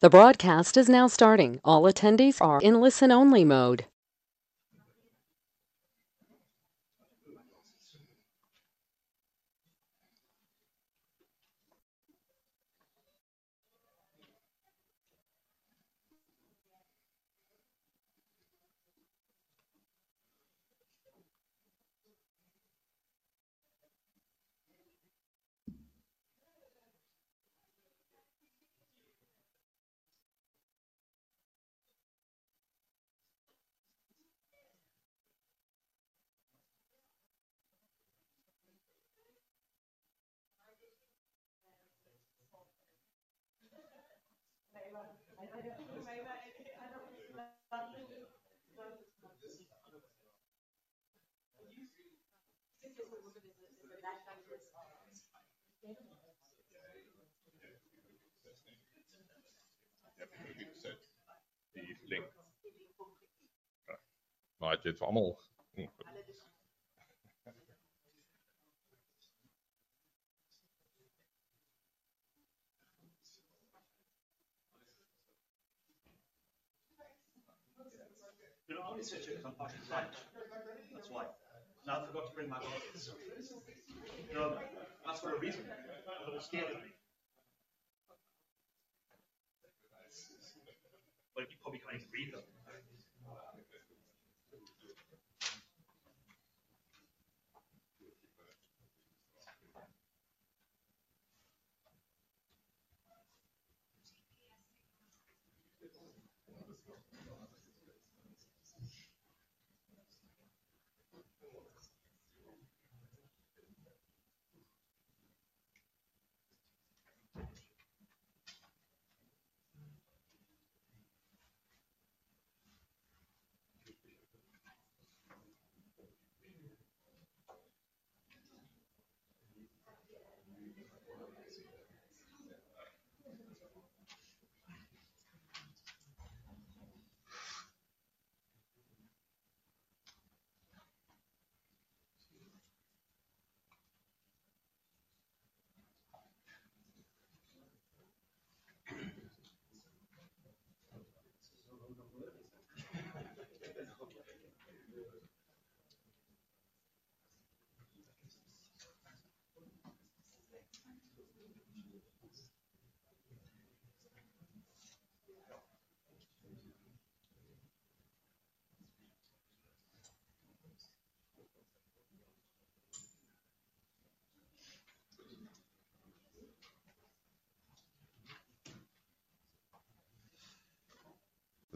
The broadcast is now starting. All attendees are in listen-only mode. That's why I forgot to bring my glasses. No, no, that's for a reason. I was scared. You probably can't even read them.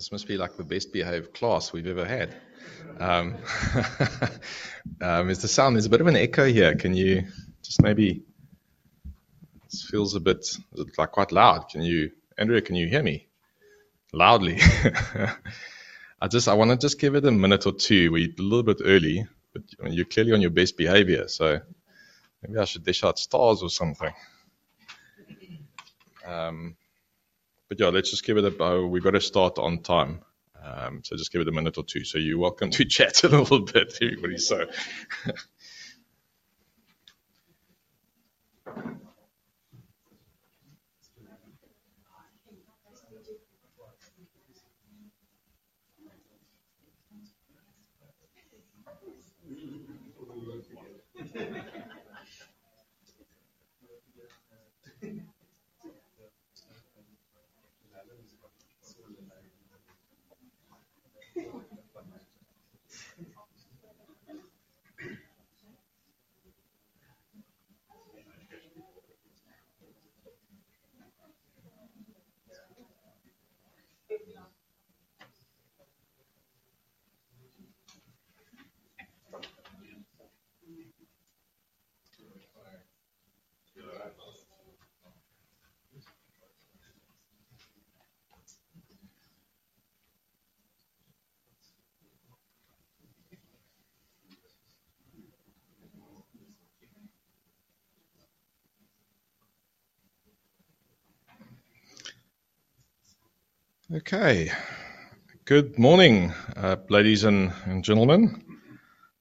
This must be like the best behaved class we've ever had. It's a sound, there's a bit of an echo here. Can you just maybe, this feels a bit like quite loud. Can you, Andrea, can you hear me loudly? I just want to give it a minute or two. We're a little bit early, but you're clearly on your best behavior, so maybe I should dish out stars or something. Let's just give it a, we've got to start on time. Just give it a minute or two. You're welcome to chat a little bit too, but he's so. Good morning, ladies and gentlemen.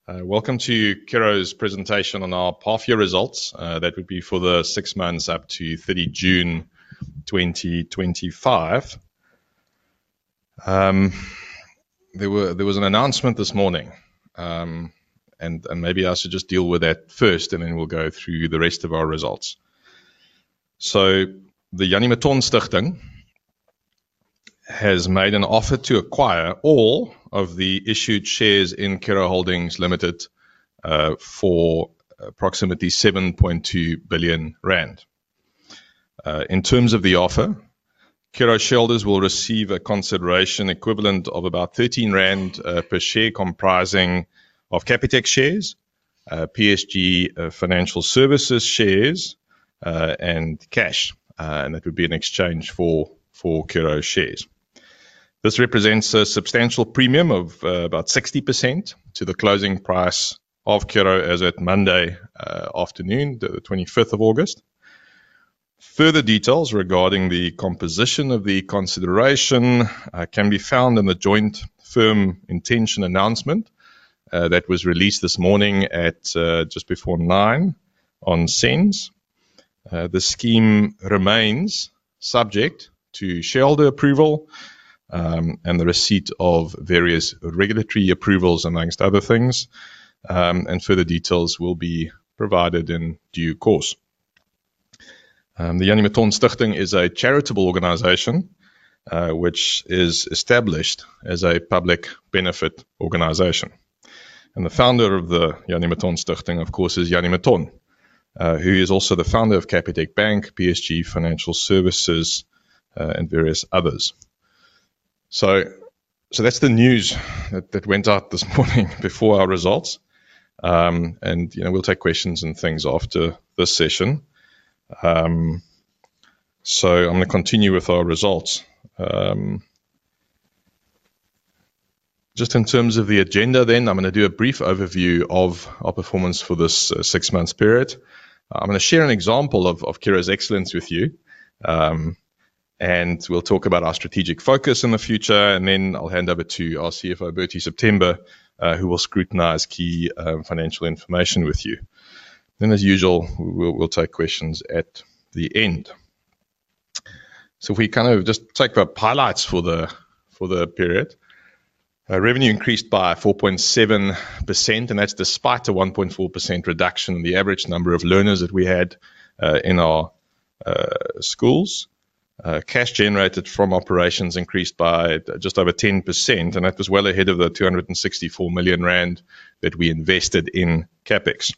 Welcome to Curro's presentation on our Pafia results. That would be for the six months up to 30 June 2025. There was an announcement this morning, and maybe I should just deal with that first, then we'll go through the rest of our results. The Janimatorn Stichting has made an offer to acquire all of the issued shares in Curro Holdings Limited for approximately R7.2 billion. In terms of the offer, Curro shareholders will receive a consideration equivalent of about R13 per share, comprising of Capitec Bank shares, PSG Financial Services shares, and cash. That would be in exchange for Curro shares. This represents a substantial premium of about 60% to the closing price of Curro as at Monday afternoon, 25 August. Further details regarding the composition of the consideration can be found in the joint firm intention announcement that was released this morning just before 9:00 A.M. on SENS. The scheme remains subject to shareholder approval and the receipt of various regulatory approvals, amongst other things. Further details will be provided in due course. The Janimatorn Stichting S is a charitable organization which is established as a public benefit organization. The founder of the Janimatorni Stichting, of course, is Jannie Mouton, who is also the founder of Capitec Bank, PSG Financial Services, and various others. That's the news that went out this morning before our results. You know we'll take questions and things after this session. I'm going to continue with our results. Just in terms of the agenda, then, I'm going to do a brief overview of our performance for this six-month period. I'm going to share an example of Curro's excellence with you. We'll talk about our strategic focus in the future. I will hand over to our CFO, Burtie September, who will scrutinize key financial information with you. As usual, we'll take questions at the end. If we just take the highlights for the period, revenue increased by 4.7%, and that's despite a 1.4% reduction in the average number of learners that we had in our schools. Cash generated from operations increased by just over 10%, and that was well ahead of the R264 million that we invested in CapEx.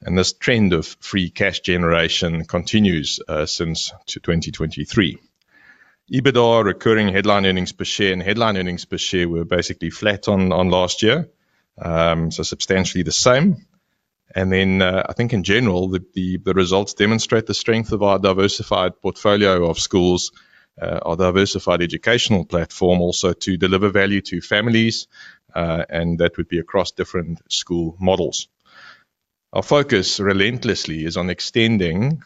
This trend of free cash generation continues since 2023. EBITDA, recurring headline earnings per share, and headline earnings per share were basically flat on last year, so substantially the same. In general, the results demonstrate the strength of our diversified portfolio of schools, our diversified educational platform, also to deliver value to families, and that would be across different school models. Our focus relentlessly is on extending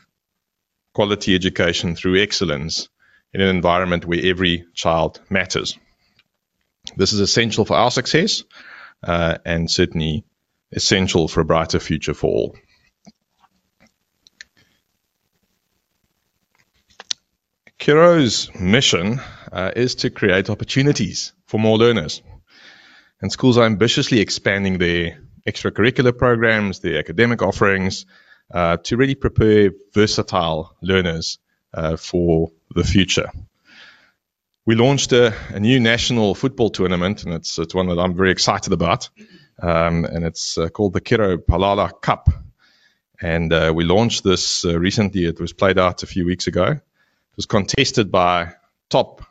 quality education through excellence in an environment where every child matters. This is essential for our success and certainly essential for a brighter future for all. Curro's mission is to create opportunities for more learners. Schools are ambitiously expanding their extracurricular programs, their academic offerings to really prepare versatile learners for the future. We launched a new national football tournament, and it's one that I'm very excited about. It's called the Curro Halala Cup. We launched this recently. It was played out a few weeks ago. It was contested by top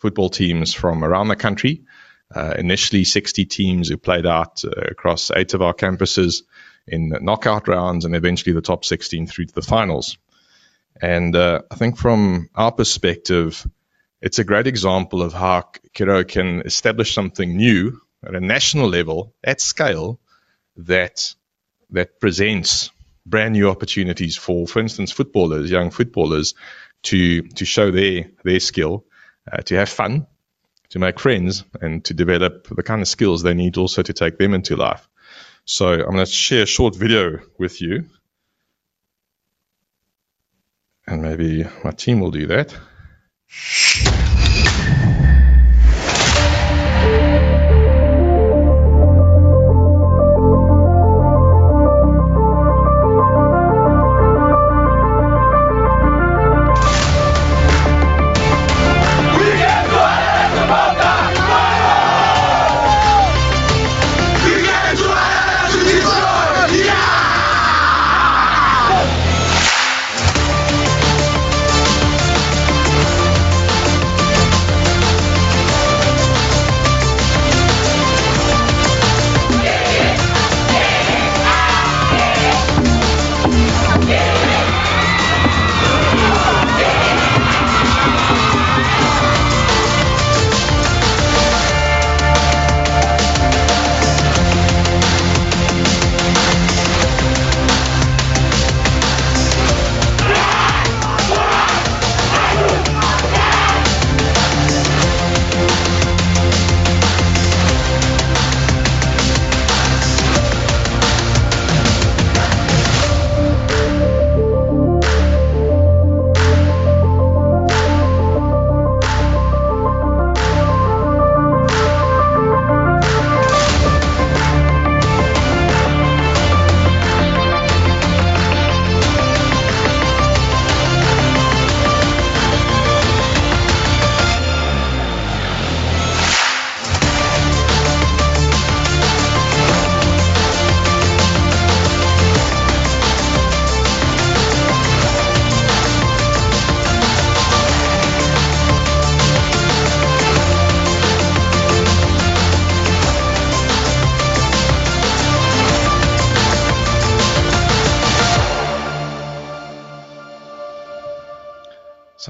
football teams from around the country. Initially, 60 teams played out across eight of our campuses in knockout rounds and eventually the top 16 through to the finals. From our perspective, it's a great example of how Curro can establish something new at a national level at scale that presents brand new opportunities for, for instance, footballers, young footballers, to show their skill, to have fun, to make friends, and to develop the kind of skills they need also to take them into life. I'm going to share a short video with you. Maybe my team will do that.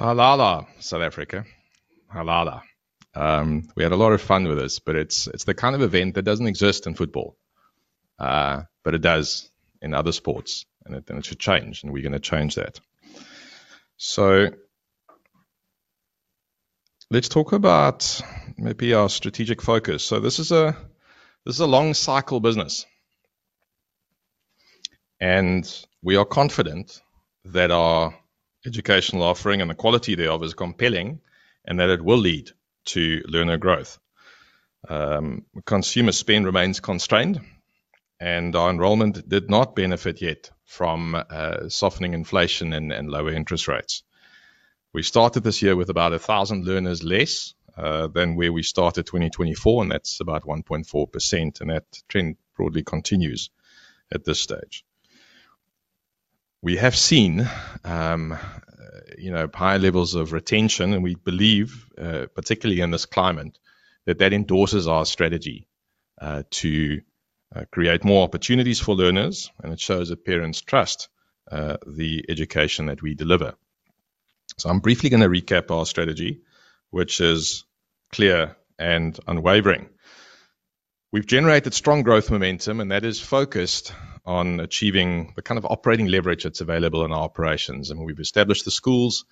Halala, South Africa. Halala. We had a lot of fun with this, but it's the kind of event that doesn't exist in football, but it does in other sports, and it should change, and we're going to change that. Let's talk about maybe our strategic focus. This is a long-cycle business. We are confident that our educational offering and the quality thereof is compelling and that it will lead to learner growth. Consumer spend remains constrained, and our enrollment did not benefit yet from softening inflation and lower interest rates. We started this year with about 1,000 learners less than where we started 2024, and that's about 1.4%, and that trend broadly continues at this stage. We have seen high levels of retention, and we believe, particularly in this climate, that that endorses our strategy to create more opportunities for learners, and it shows that parents trust the education that we deliver. I'm briefly going to recap our strategy, which is clear and unwavering. We've generated strong growth momentum, and that is focused on achieving the kind of operating leverage that's available in our operations. We've established the schools.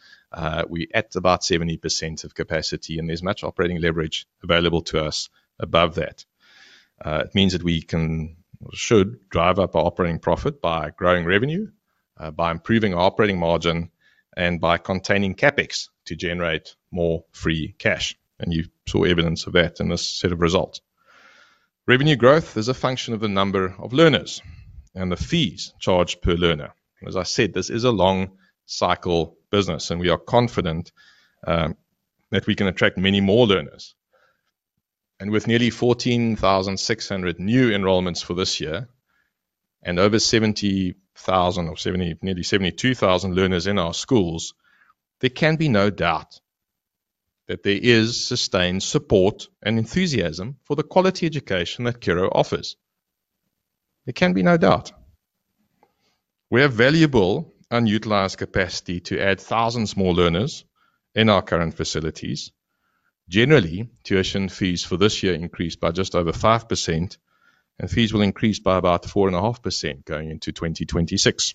We're at about 70% of capacity, and there's much operating leverage available to us above that. It means that we can, should, drive up our operating profit by growing revenue, by improving our operating margin, and by containing CapEx to generate more free cash. You saw evidence of that in this set of results. Revenue growth is a function of the number of learners and the fees charged per learner. As I said, this is a long-cycle business, and we are confident that we can attract many more learners. With nearly 14,600 new enrollments for this year and over 70,000 or nearly 72,000 learners in our schools, there can be no doubt that there is sustained support and enthusiasm for the quality education that Curro offers. There can be no doubt. We have valuable unutilized capacity to add thousands more learners in our current facilities. Generally, tuition fees for this year increased by just over 5%, and fees will increase by about 4.5% going into 2026.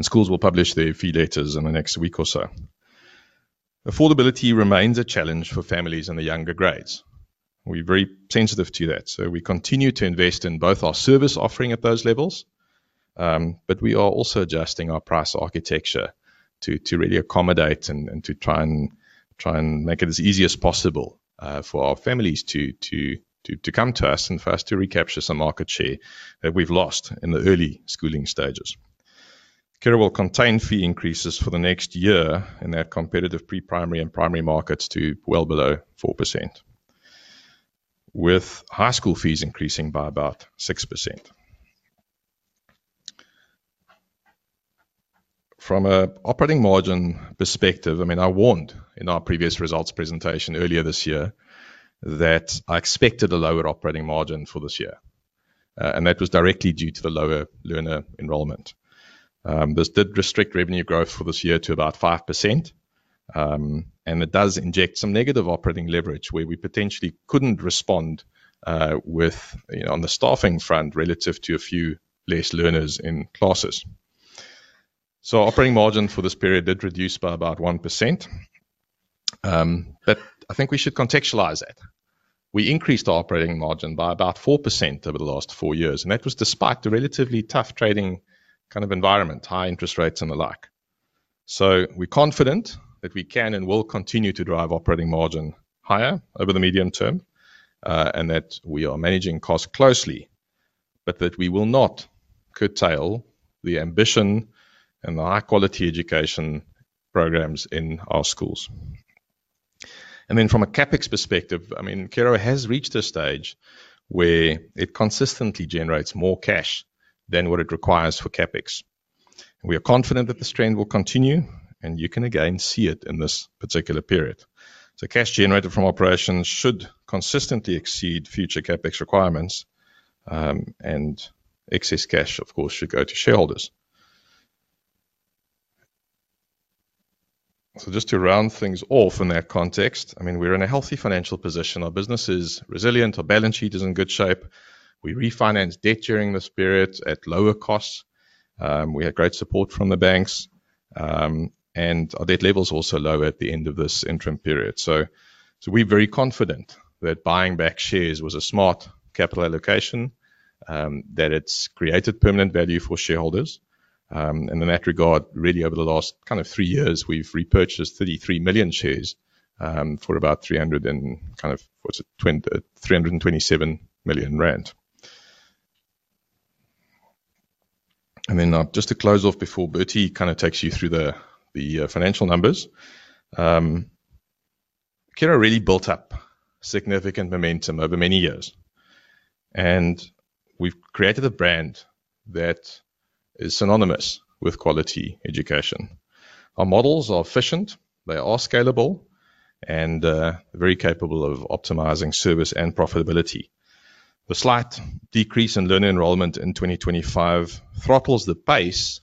Schools will publish their fee letters in the next week or so. Affordability remains a challenge for families in the younger grades. We're very sensitive to that. We continue to invest in both our service offering at those levels, but we are also adjusting our price architecture to really accommodate and to try and make it as easy as possible for our families to come to us and for us to recapture some market share that we've lost in the early schooling stages. Curro will contain fee increases for the next year in our competitive pre-primary and primary markets to well below 4%, with high school fees increasing by about 6%. From an operating margin perspective, I mean, I warned in our previous results presentation earlier this year that I expected a lower operating margin for this year. That was directly due to the lower learner enrollment. This did restrict revenue growth for this year to about 5%. It does inject some negative operating leverage where we potentially couldn't respond with, you know, on the staffing front relative to a few less learners in classes. Our operating margin for this period did reduce by about 1%. I think we should contextualize that. We increased our operating margin by about 4% over the last four years. That was despite the relatively tough trading kind of environment, high interest rates and the like. We're confident that we can and will continue to drive operating margin higher over the medium term, and that we are managing costs closely, but that we will not curtail the ambition and the high-quality education programs in our schools. From a CapEx perspective, I mean, Curro has reached a stage where it consistently generates more cash than what it requires for CapEx. We are confident that this trend will continue, and you can again see it in this particular period. Cash generated from operations should consistently exceed future Capex requirements. Excess cash, of course, should go to shareholders. Just to round things off in that context, I mean, we're in a healthy financial position. Our business is resilient. Our balance sheet is in good shape. We refinanced debt during this period at lower costs. We had great support from the banks. Our debt level's also low at the end of this interim period. We're very confident that buying back shares was a smart capital allocation, that it's created permanent value for shareholders. In that regard, really, over the last kind of three years, we've repurchased 33 million shares for about R327 million. Just to close off before Burtie September kind of takes you through the financial numbers, Curro really built up significant momentum over many years. We've created a brand that is synonymous with quality education. Our models are efficient. They are scalable and very capable of optimizing service and profitability. The slight decrease in learner enrollment in 2025 throttles the pace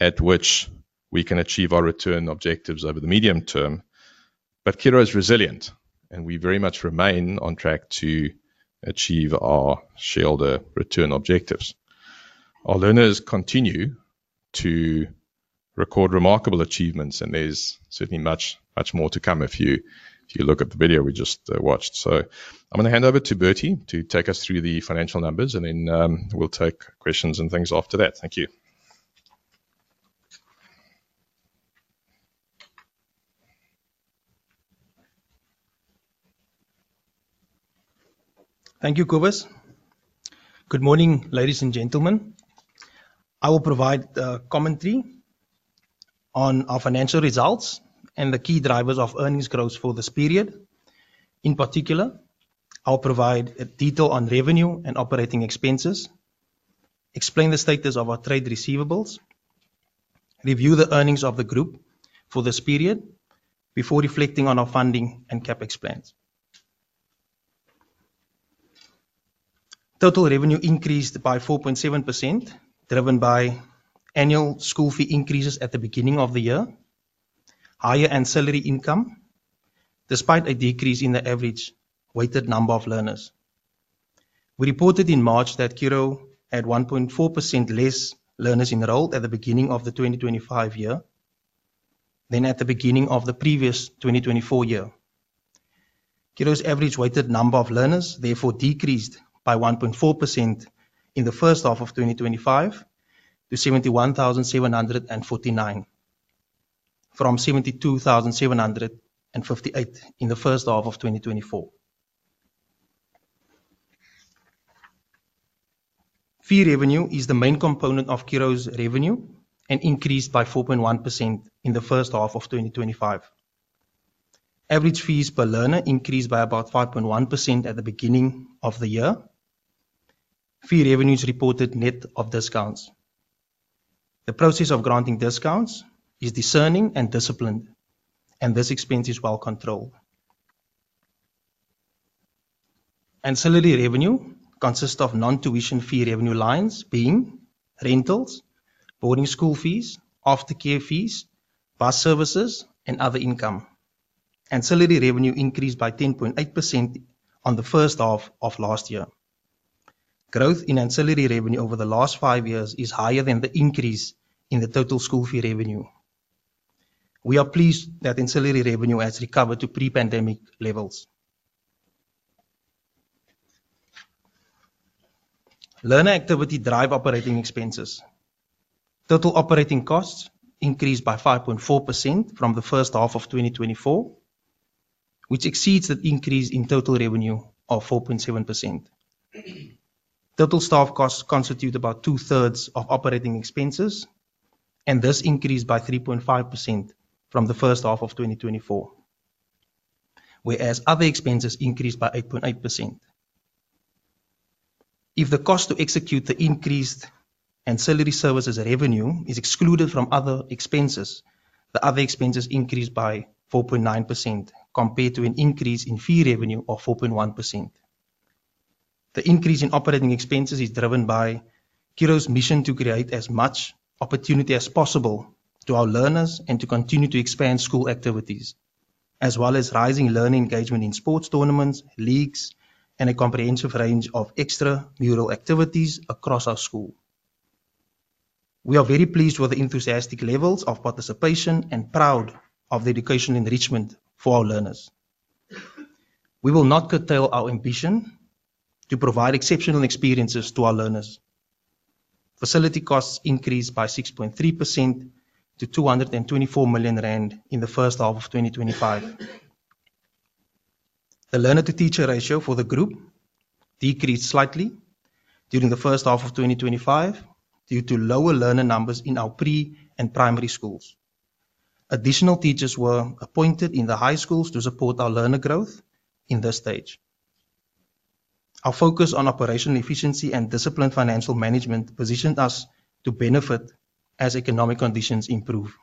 at which we can achieve our return objectives over the medium term. Curro is resilient, and we very much remain on track to achieve our shareholder return objectives. Our learners continue to record remarkable achievements, and there's certainly much, much more to come if you look at the video we just watched. I'm going to hand over to Burtie to take us through the financial numbers, and then we'll take questions and things after that. Thank you. Thank you, Cobus. Good morning, ladies and gentlemen. I will provide a commentary on our financial results and the key drivers of earnings growth for this period. In particular, I'll provide a detail on revenue and operating expenses, explain the status of our trade receivables, review the earnings of the group for this period before reflecting on our funding and CapEx plans. Total revenue increased by 4.7%, driven by annual school fee increases at the beginning of the year, higher in salary income, despite a decrease in the average weighted number of learners. We reported in March that Curro had 1.4% less learners enrolled at the beginning of the 2025 year than at the beginning of the previous 2024 year. Curro's average weighted number of learners, therefore, decreased by 1.4% in the first half of 2025 to 71,749 from 72,758 in the first half of 2024. Fee revenue is the main component of Curro's revenue and increased by 4.1% in the first half of 2025. Average fees per learner increased by about 5.1% at the beginning of the year. Fee revenue is reported net of discounts. The process of granting discounts is discerning and disciplined, and this expense is well controlled. Ancillary revenue consists of non-tuition fee revenue lines being rentals, boarding school fees, aftercare fees, bus services, and other income. Ancillary revenue increased by 10.8% on the first half of last year. Growth in ancillary revenue over the last five years is higher than the increase in the total school fee revenue. We are pleased that ancillary revenue has recovered to pre-pandemic levels. Learner activity drive operating expenses. Total operating costs increased by 5.4% from the first half of 2024, which exceeds the increase in total revenue of 4.7%. Total staff costs constitute about two-thirds of operating expenses and thus increased by 3.5% from the first half of 2024, whereas other expenses increased by 8.8%. If the cost to execute the increased ancillary services revenue is excluded from other expenses, the other expenses increased by 4.9% compared to an increase in fee revenue of 4.1%. The increase in operating expenses is driven by Curro's mission to create as much opportunity as possible to our learners and to continue to expand school activities, as well as rising learning engagement in sports tournaments, leagues, and a comprehensive range of extra-mural activities across our school. We are very pleased with the enthusiastic levels of participation and proud of the educational enrichment for our learners. We will not curtail our ambition to provide exceptional experiences to our learners. Facility costs increased by 6.3% to R224 million in the first half of 2025. The learner-to-teacher ratio for the group decreased slightly during the first half of 2025 due to lower learner numbers in our pre- and primary schools. Additional teachers were appointed in the high schools to support our learner growth in this stage. Our focus on operational efficiency and disciplined financial management positioned us to benefit as economic conditions improve.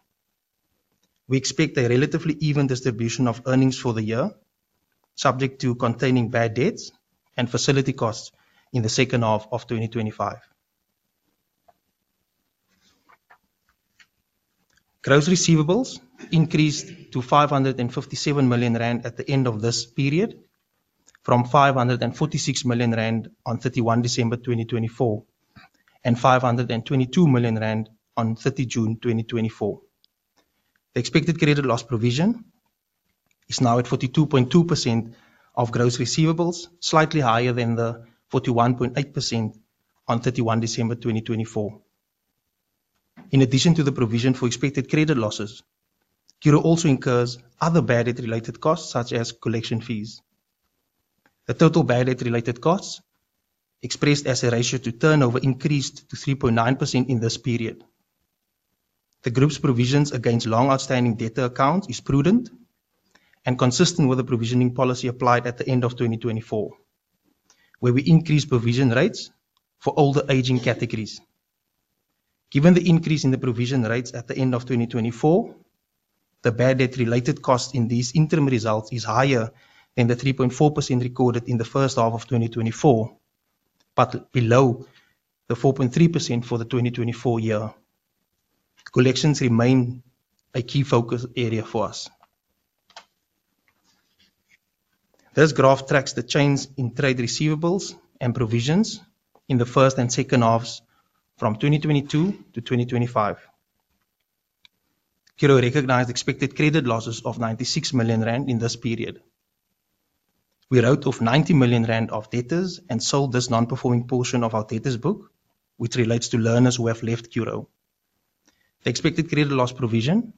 We expect a relatively even distribution of earnings for the year, subject to containing bad debts and facility costs in the second half of 2025. Gross receivables increased to R557 million at the end of this period, from R546 million on 31 December 2024 and R522 million on 30 June 2024. The expected credit loss provision is now at 42.2% of gross receivables, slightly higher than the 41.8% on 31 December 2024. In addition to the provision for expected credit losses, Curro also incurs other bad debt-related costs, such as collection fees. The total bad debt-related costs, expressed as a ratio to turnover, increased to 3.9% in this period. The group's provisions against long outstanding debtor accounts are prudent and consistent with the provisioning policy applied at the end of 2024, where we increased provision rates for older ageing categories. Given the increase in the provision rates at the end of 2024, the bad debt-related cost in these interim results is higher than the 3.4% recorded in the first half of 2024, but below the 4.3% for the 2024 year. Collections remain a key focus area for us. This graph tracks the change in trade receivables and provisions in the first and second halves from 2022-2025. Curro recognized expected credit losses of R96 million in this period. We wrote off R90 million of debtors and sold this non-performing portion of our debtors' book, which relates to learners who have left Curro. The expected credit loss provision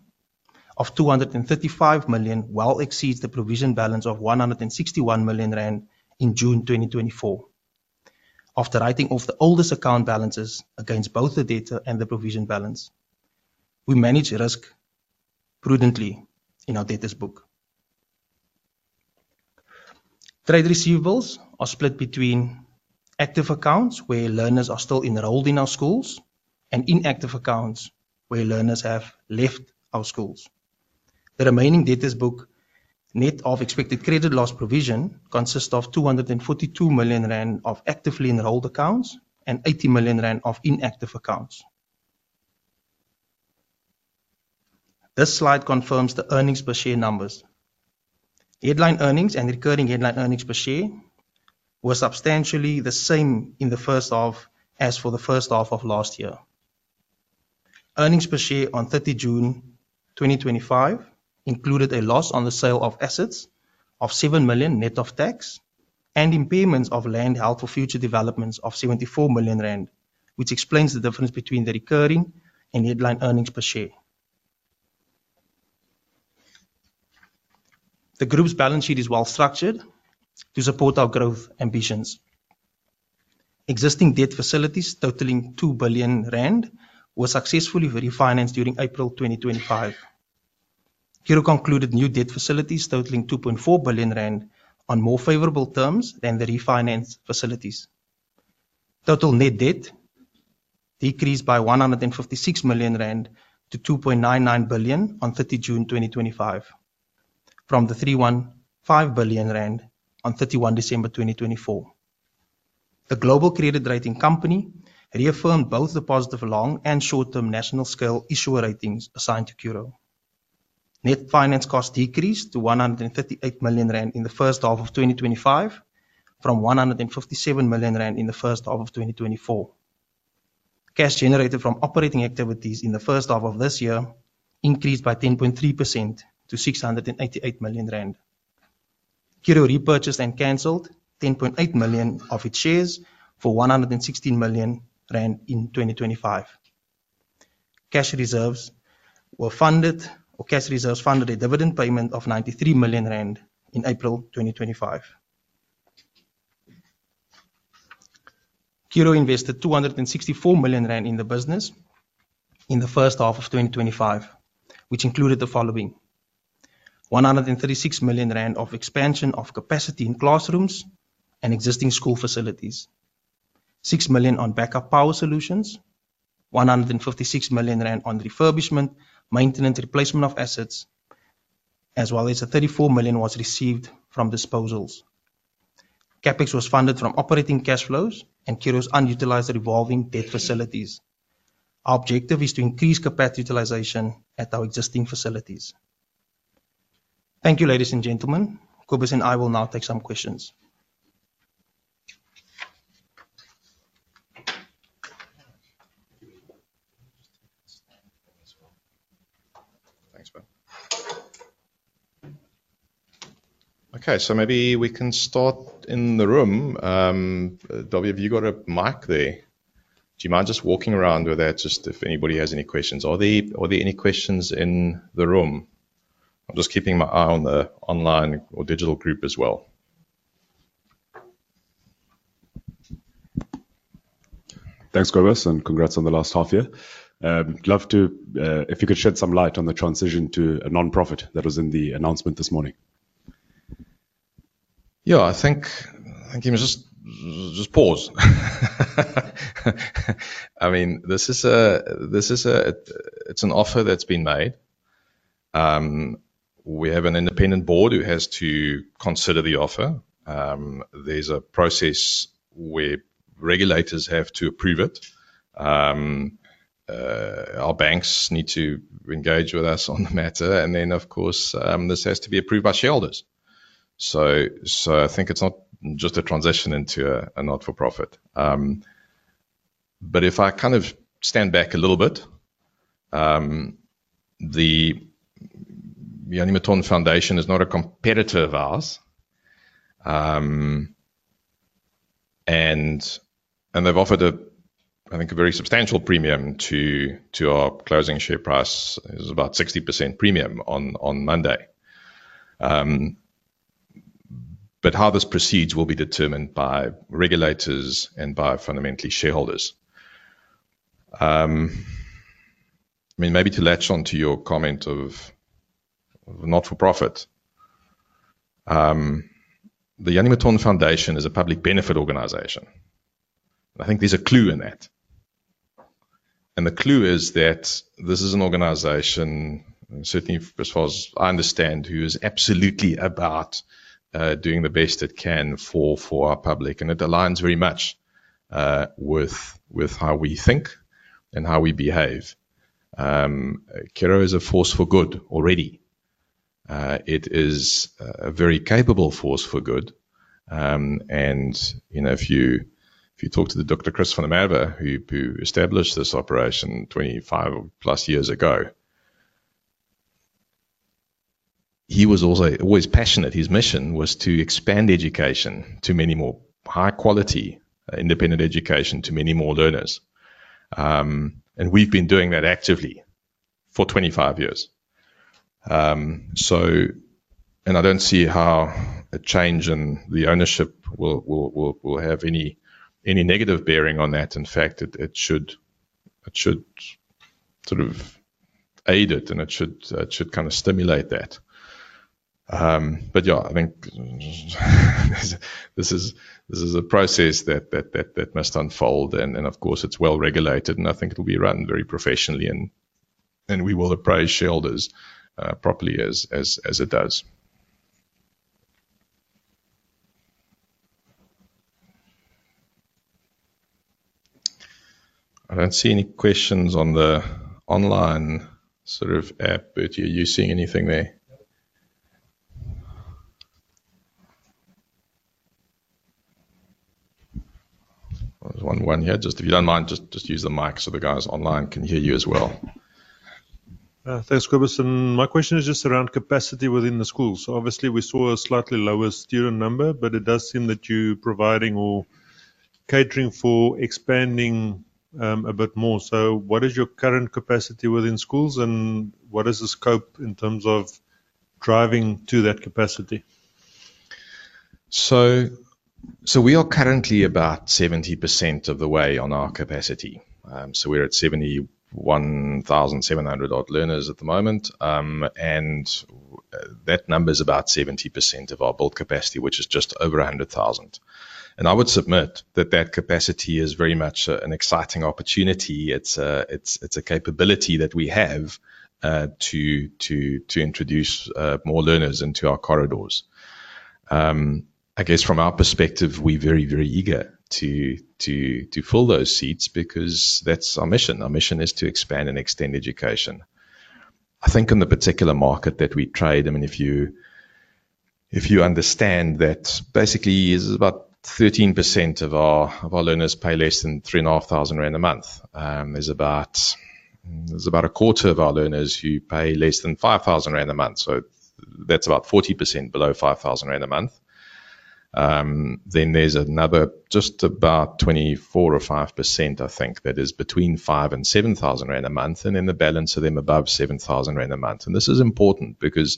of R235 million well exceeds the provision balance of R161 million in June 2024. After writing off the oldest account balances against both the debtor and the provision balance, we managed risk prudently in our debtors' book. Trade receivables are split between active accounts where learners are still enrolled in our schools and inactive accounts where learners have left our schools. The remaining debtors' book, net of expected credit loss provision, consists of R242 million of actively enrolled accounts and R80 million of inactive accounts. This slide confirms the earnings per share numbers. Headline earnings and recurring headline earnings per share were substantially the same in the first half as for the first half of last year. Earnings per share on 30 June 2025 included a loss on the sale of assets of R7 million, net of tax, and in payments of land, health, or future developments of R74 million, which explains the difference between the recurring and headline earnings per share. The group's balance sheet is well structured to support our growth ambitions. Existing debt facilities totaling R2 billion were successfully refinanced during April 2025. Curro concluded new debt facilities totaling R2.4 billion on more favorable terms than the refinanced facilities. Total net debt decreased by R156 million to R2.99 billion on 30 June 2025, from the R3.15 billion on 31 December 2024. The global credit rating company reaffirmed both the positive long and short-term national scale issuer ratings assigned to Curro. Net finance costs decreased to R138 million in the first half of 2025, from R157 million in the first half of 2024. Cash generated from operating activities in the first half of this year increased by 10.3% to R688 million. Curro repurchased and cancelled 10.8 million of its shares for R116 million in 2025. Cash reserves funded a dividend payment of R93 million in April 2025. Curro invested R264 million in the business in the first half of 2025, which included the following: R136 million of expansion of capacity in classrooms and existing school facilities, R6 million on backup power solutions, R156 million on refurbishment, maintenance, replacement of assets, as well as R34 million was received from disposals. Capex was funded from operating cash flows and Curro's unutilized revolving debt facilities. Our objective is to increase capacity utilization at our existing facilities. Thank you, ladies and gentlemen. Cobus and I will now take some questions. Okay, maybe we can start in the room. Dobie, have you got a mic there? Do you mind just walking around with that if anybody has any questions? Are there any questions in the room? I'm just keeping my eye on the online or digital group as well. Thanks, Cobus, and congrats on the last half year. I'd love to, if you could shed some light on the transition to a nonprofit that was in the announcement this morning. I think you can just pause. I mean, this is an offer that's been made. We have an independent board who has to consider the offer. There's a process where regulators have to approve it. Our banks need to engage with us on the matter, and then, of course, this has to be approved by shareholders. I think it's not just a transition into a not-for-profit. If I kind of stand back a little bit, the Jannie Mouton Foundation The clue is that this is an organization, certainly as far as I understand, who is absolutely about doing the best it can for our public. It aligns very much with how we think and how we behave. Curro is a force for good already. It is a very capable force for good. If you talk to Dr. Christiaan van der Merwe, who established this operation 25+ years ago, he was always passionate. His mission was to expand education to many more high-quality independent education to many more learners. We've been doing that actively for 25 years. I don't see how a change in the ownership will have any negative bearing on that. In fact, it should sort of aid it, and it should kind of stimulate that. I think this is a process that must unfold. Of course, it's well regulated, and I think it'll be run very professionally, and we will appraise shareholders properly as it does. I don't see any questions on the online sort of app, Burtie. Are you seeing anything there? There's one here. Just if you don't mind, just use the mic so the guys online can hear you as well. Thanks, Cobus. My question is just around capacity within the schools. Obviously, we saw a slightly lower student number, but it does seem that you're providing or catering for expanding a bit more. What is your current capacity within schools, and what is the scope in terms of driving to that capacity? We are currently about 70% of the way on our capacity. We're at 71,700-odd learners at the moment, and that number is about 70% of our built capacity, which is just over 100,000. I would submit that this capacity is very much an exciting opportunity. It's a capability that we have to introduce more learners into our corridors. From our perspective, we're very, very eager to fill those seats because that's our mission. Our mission is to expand and extend education. In the particular market that we trade, if you understand that basically it's about 13% of our learners pay less than R3,500 a month, there's about a quarter of our learners who pay less than R5,000 a month. That's about 40% below R5,000 a month. Then there's another just about 24% or 25%, I think, that is between R5,000 and R7,000 a month, and then the balance of them above R7,000 a month. This is important because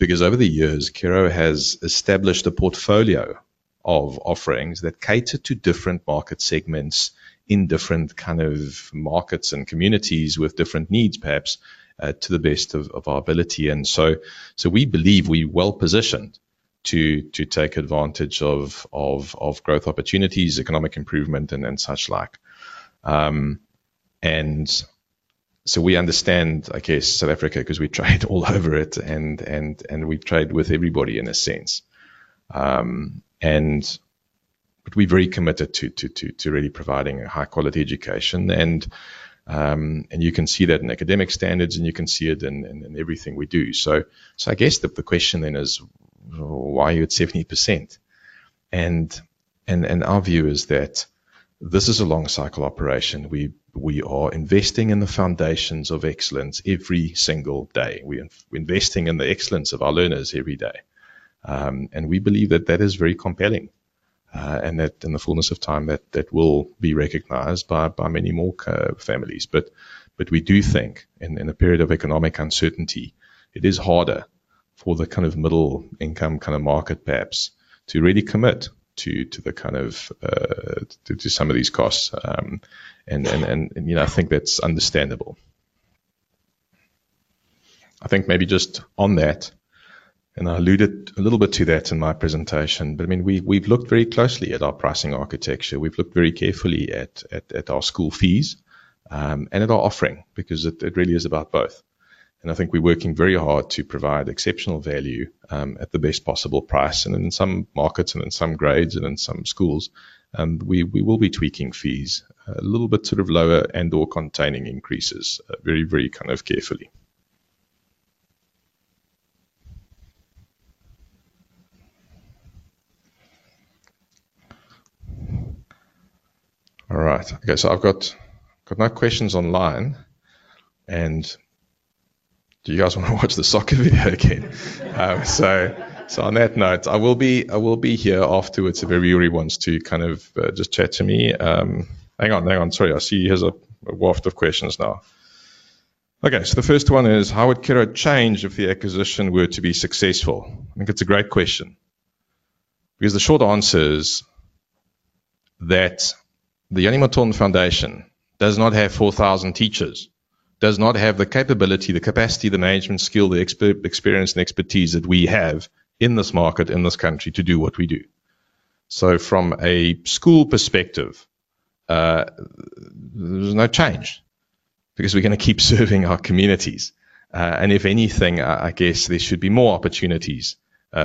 over the years, Curro has established a portfolio of offerings that cater to different market segments in different kinds of markets and communities with different needs, perhaps, to the best of our ability. We believe we're well positioned to take advantage of growth opportunities, economic improvement, and such like. We understand, I guess, South Africa because we trade all over it, and we trade with everybody in a sense. We're very committed to really providing a high-quality education. You can see that in academic standards, and you can see it in everything we do. The question then is, why are you at 70%? Our view is that this is a long-cycle operation. We are investing in the foundations of excellence every single day. We're investing in the excellence of our learners every day, and we believe that is very compelling. In the fullness of time, that will be recognized by many more families. We do think in a period of economic uncertainty, it is harder for the kind of middle-income market, perhaps, to really commit to some of these costs, and I think that's understandable. Maybe just on that, and I alluded a little bit to that in my presentation, we've looked very closely at our pricing architecture. We've looked very carefully at our school fees and at our offering because it really is about both. We're working very hard to provide exceptional value at the best possible price. In some markets and in some grades and in some schools, we will be tweaking fees a little bit lower and/or containing increases very, very carefully. All right. I have no questions online. Do you guys want to watch the soccer video again? On that note, I will be here afterwards if everybody wants to just chat to me. Hang on, sorry, I see there is a wharf of questions now. The first one is, how would Curro change if the acquisition were to be successful? I think it's a great question because the short answer is that the Jannie Mouton Foundation does not have 4,000 teachers, does not have the capability, the capacity, the management skill, the experience, and expertise that we have in this market, in this country to do what we do. From a school perspective, there's no change because we're going to keep serving our communities. If anything, I guess there should be more opportunities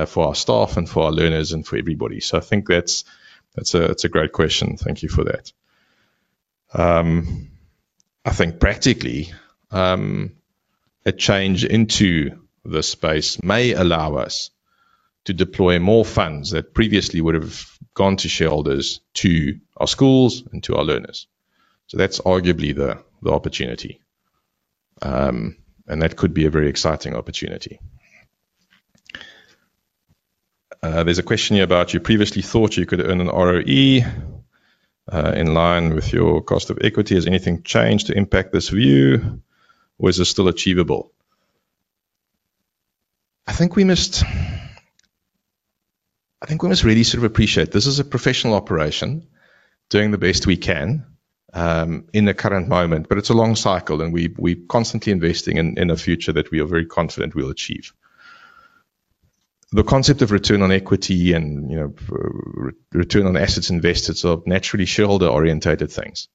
for our staff and for our learners and for everybody. I think that's a great question. Thank you for that. Practically, a change into this space may allow us to deploy more funds that previously would have gone to shareholders to our schools and to our learners. That's arguably the opportunity, and that could be a very exciting opportunity. There's a question here about you previously thought you could earn an ROE in line with your cost of equity. Has anything changed to impact this view, or is this still achievable? We must really appreciate this is a professional operation doing the best we can in the current moment, but it's a long cycle, and we're constantly investing in a future that we are very confident we'll achieve. The concept of return on equity and return on assets invested is all naturally shareholder-orientated things.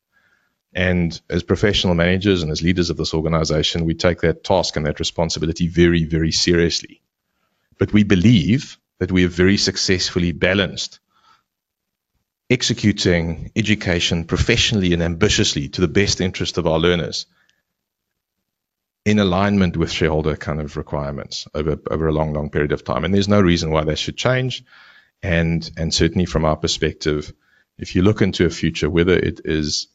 As professional managers and as leaders of this organization, we take that task and that responsibility very, very seriously. We believe that we have very successfully balanced executing education professionally and ambitiously to the best interest of our learners in alignment with shareholder requirements over a long, long period of time. There is no reason why that should change. Certainly, from our perspective, if you look into a future, whether it is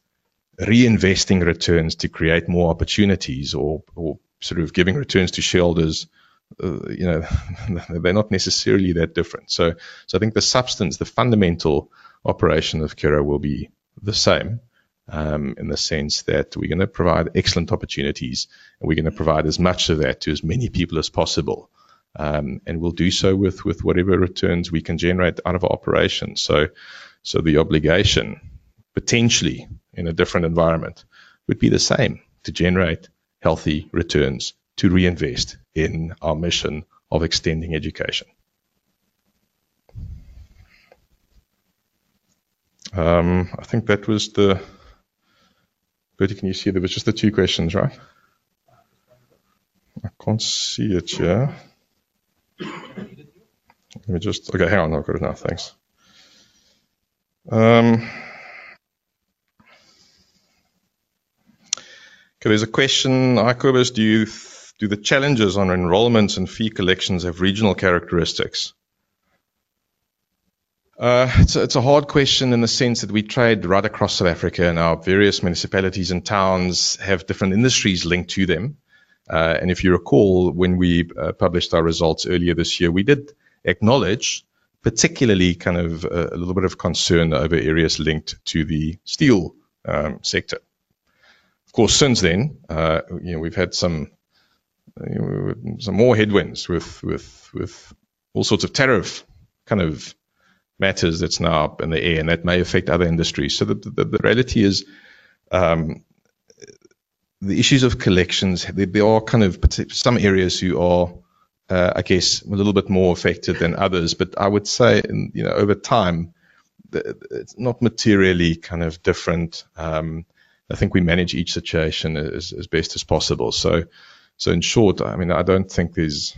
reinvesting returns to create more opportunities or giving returns to shareholders, they're not necessarily that different. I think the substance, the fundamental operation of Curro will be the same in the sense that we're going to provide excellent opportunities, and we're going to provide as much of that to as many people as possible. We'll do so with whatever returns we can generate out of our operations. The obligation, potentially in a different environment, would be the same to generate healthy returns to reinvest in our mission of extending education. I think that was the... Burtie, can you see there was just the two questions, right? I can't see it here. Let me just... Okay, hang on. I've got it now. Thanks. There's a question. Hi, Cobus. Do the challenges on enrollments and fee collections have regional characteristics? It's a hard question in the sense that we trade right across South Africa, and our various municipalities and towns have different industries linked to them. If you recall, when we published our results earlier this year, we did acknowledge particularly kind of a little bit of concern over areas linked to the steel sector. Of course, since then, we've had some more headwinds with all sorts of tariff kind of matters that's now up in the air, and that may affect other industries. The reality is the issues of collections, they are kind of some areas you are, I guess, a little bit more affected than others. I would say, over time, it's not materially kind of different. I think we manage each situation as best as possible. In short, I don't think there's...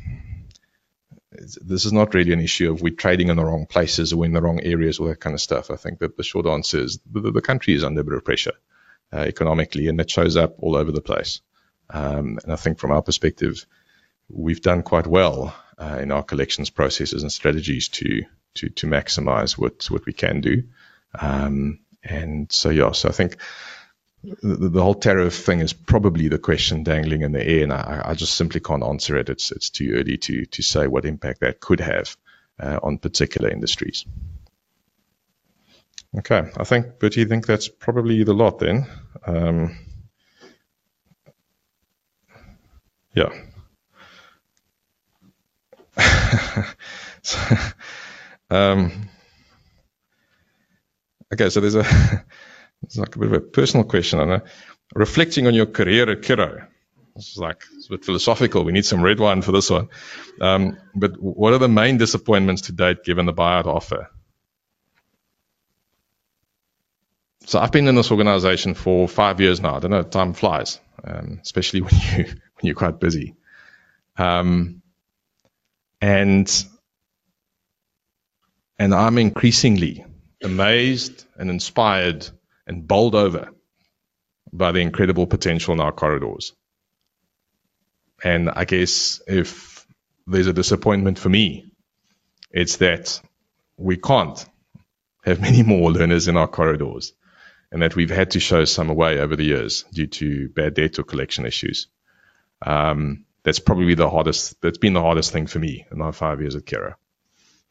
This is not really an issue of we're trading in the wrong places or we're in the wrong areas or that kind of stuff. The short answer is the country is under a bit of pressure economically, and it shows up all over the place. I think from our perspective, we've done quite well in our collections processes and strategies to maximize what we can do. The whole tariff thing is probably the question dangling in the air, and I just simply can't answer it. It's too early to say what impact that could have on particular industries. I think, Burtie, I think that's probably the lot then. Yeah. There's a... It's like a bit of a personal question. I don't know. Reflecting on your career at Curro, this is like a bit philosophical. We need some red wine for this one. What are the main disappointments to date given the buyout offer? I've been in this organization for five years now. I don't know. Time flies, especially when you're quite busy. I'm increasingly amazed, inspired, and bowled over by the incredible potential in our corridors. I guess if there's a disappointment for me, it's that we can't have many more learners in our corridors and that we've had to show some away over the years due to bad debt or collection issues. That's probably the hardest. That's been the hardest thing for me in my five years at Curro.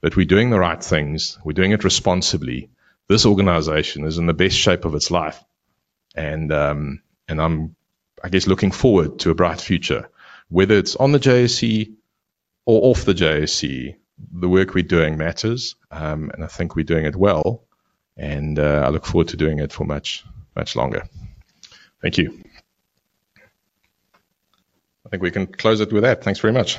We're doing the right things. We're doing it responsibly. This organization is in the best shape of its life. I'm, I guess, looking forward to a bright future. Whether it's on the JOC or off the JOC, the work we're doing matters, and I think we're doing it well. I look forward to doing it for much, much longer. Thank you. I think we can close it with that. Thanks very much.